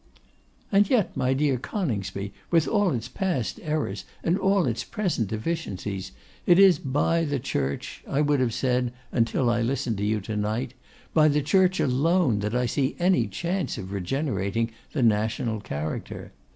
'And yet, my dear Coningsby, with all its past errors and all its present deficiencies, it is by the Church; I would have said until I listened to you to night; by the Church alone that I see any chance of regenerating the national character.